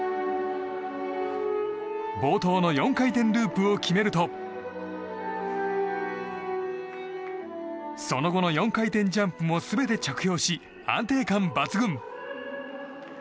冒頭の４回転ループを決めるとその後の４回転ジャンプも全て着氷し安定感抜群！